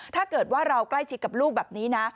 ถ้าเกิดว่าเราใกล้ชิดกับลูกแบบนี้นะ